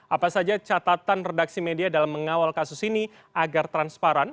apa saja catatan redaksi media dalam mengawal kasus ini agar transparan